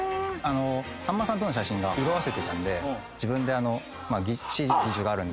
さんまさんとの写真が色あせてたんで自分でＣＧのあるんで。